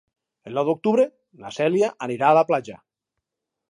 El nou d'octubre na Cèlia anirà a la platja.